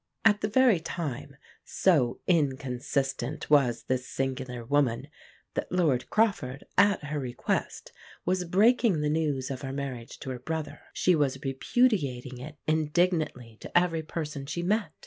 At the very time so inconsistent was this singular woman that Lord Crawford, at her request, was breaking the news of her marriage to her brother, she was repudiating it indignantly to every person she met.